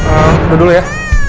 udah dulu ya